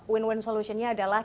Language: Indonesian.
win win solutionnya adalah